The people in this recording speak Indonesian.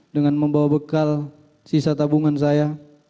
dengan membawa bekal sisa tabungan saya